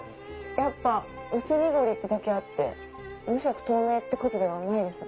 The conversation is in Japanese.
やっぱ「うすにごり」ってだけあって無色透明ってことではないですね。